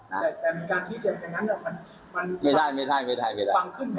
แต่มีการชี้เทียบแบบนั้นมันฟังขึ้นไหมครับ